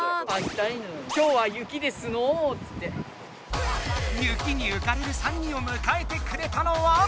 今日は雪に浮かれる３人をむかえてくれたのは？